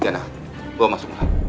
diana bawa masuknya